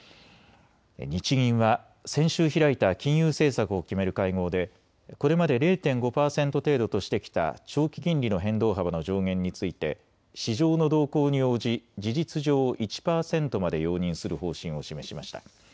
日銀は先週開いた金融政策を決める会合でこれまで０．５％程度としてきた長期金利の変動幅の上限について市場の動向に応じ事実上１％まで容認する方針を示しました。